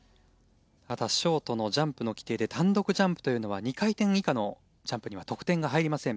またショートのジャンプの規定で単独ジャンプというのは２回転以下のジャンプには得点が入りません。